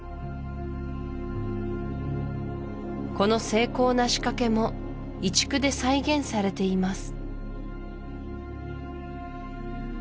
この精巧な仕掛けも移築で再現されています